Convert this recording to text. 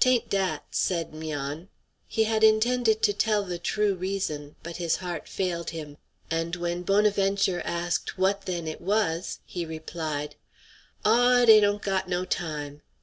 "'Tain't dat," said 'Mian. He had intended to tell the true reason, but his heart failed him; and when Bonaventure asked what, then, it was, he replied: "Aw, dey don't got no time.